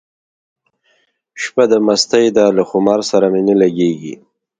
شپه د مستۍ ده له خمار سره مي نه لګیږي